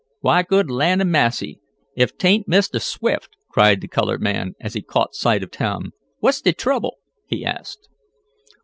Why good land a' massy! Ef 'tain't Mistah Swift!" cried the colored man, as he caught sight of Tom. "What's de trouble?" he asked.